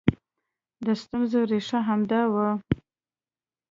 د ستونزې ریښه همدا وه